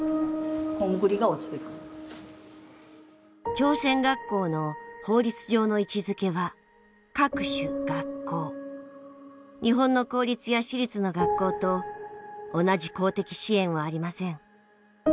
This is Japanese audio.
朝鮮学校の法律上の位置づけは日本の公立や私立の学校と同じ公的支援はありません。